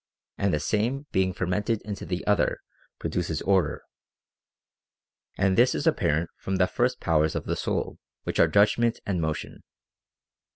and the Same being fermented into the Other produces order. And this is apparent from the first powers of the soul, which are judgment and motion.